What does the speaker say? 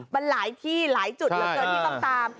มันหลายที่หลายจุดเหลือเกินที่ต้องตาม